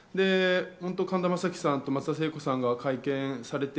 神田正輝さんと松田聖子さんが会見されて、